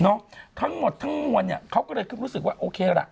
ทั้งหมดทั้งมวลเนี่ยเขาก็เลยรู้สึกว่าโอเคล่ะ